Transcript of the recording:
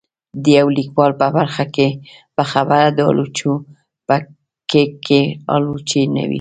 د يو ليکوال په خبره د آلوچو په کېک کې آلوچې نه وې